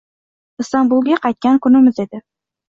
Istanbulga qaytgan kunimiz edi.